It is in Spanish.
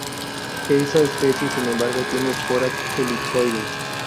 Esa especie, sin embargo, tiene esporas elipsoides.